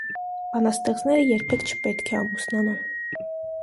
Բանաստեղծները երբեք չպետք է ամուսնանան։